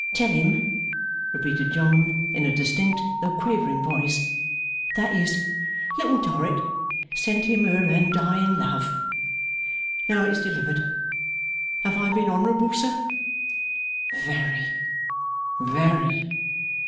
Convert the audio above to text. '"Tell him,"' repeated John, in a distinct, though quavering voice, '"that his Little Dorrit sent him her undying love." Now it's delivered. Have I been honourable, sir?' 'Very, very!